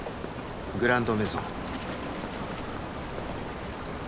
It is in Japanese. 「グランドメゾン」